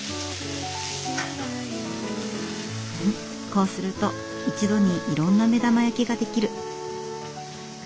こうすると一度にいろんな目玉焼きが出来る。